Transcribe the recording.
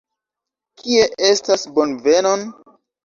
Kie estas bonvenon?